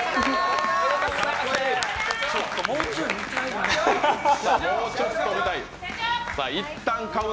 ちょっともうちょい見たいな。